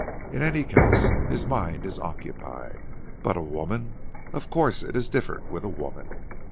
In any case his mind is occupied. "But a woman! Of course it is different with a woman.